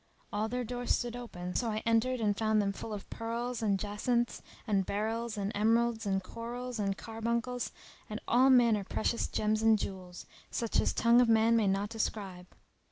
All their doors stood open: so I entered and found them full of pearls and jacinths and beryls and emeralds and corals and car buncles, and all manner precious gems and jewels, such as tongue of man may not describe.